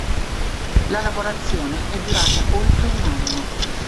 La lavorazione è durata oltre un anno.